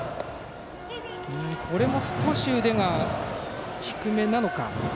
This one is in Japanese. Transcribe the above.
これは少し腕が低めなのか。